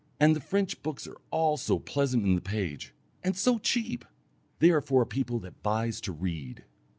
And the French books are all so pleasant in the page, and so cheap they are for a people that buys to read.